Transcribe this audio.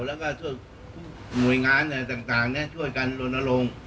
แล้วก็หน่วยงานต่างช่วยกันโรนลง